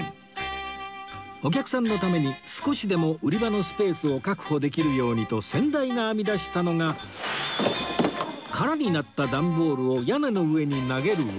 お客さんのために少しでも売り場のスペースを確保できるようにと先代が編み出したのが空になった段ボールを屋根の上に投げる技